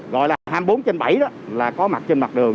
gọi là hai mươi bốn trên bảy đó là có mặt trên mặt đường